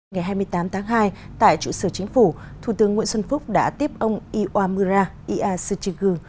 ngày hai mươi tám tháng hai tại trụ sở chính phủ thủ tướng nguyễn xuân phúc đã tiếp ông iwamura iyashichigu